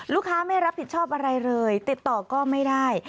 ไม่รับผิดชอบอะไรเลยติดต่อก็ไม่ได้